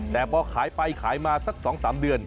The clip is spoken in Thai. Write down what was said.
แต่พอขายไปขายมาสัก๒๓เดือน